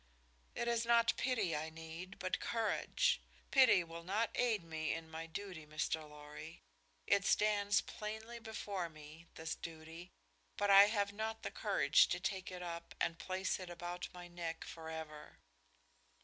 "It is not pity I need, but courage. Pity will not aid me in my duty, Mr. Lorry. It stands plainly before me, this duty, but I have not the courage to take it up and place it about my neck forever."